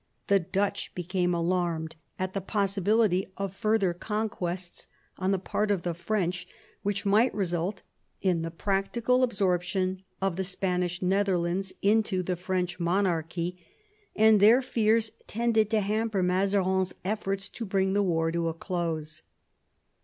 The Dutch became alarmed at the possibility of further conquests on the part of the French, which might result in the practical absorption of the Spanish Netherlands into the French monarchy, and their fears tended to hamper Mazarin's efforts to bring the war to a close.